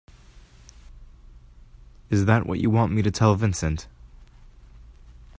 Is that what you want me to tell Vincent?